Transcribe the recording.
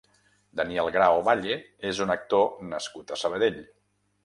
Daniel Grao Valle és un actor nascut a Sabadell.